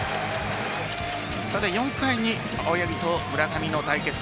４回に青柳と村上の対決。